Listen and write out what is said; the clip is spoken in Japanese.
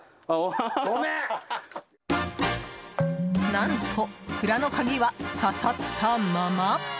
何と、蔵の鍵はささったまま。